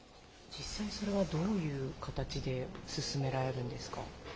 実際、それはどういう形で進められるんですか。